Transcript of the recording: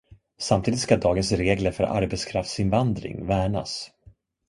Samtidigt ska dagens regler för arbetskraftsinvandring värnas.